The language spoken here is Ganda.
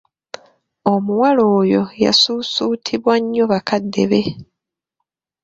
Omuwala oyo yasuusuutibwa nnyo bakadde be.